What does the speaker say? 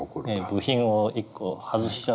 部品を１個外しちゃう。